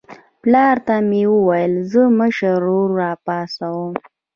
پلار ته مې وویل زه مشر ورور راپاڅوم.